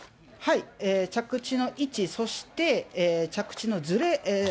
着地の位置、そして着地のずれ。